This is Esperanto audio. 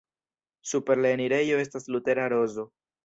Super la enirejo estas Lutera rozo.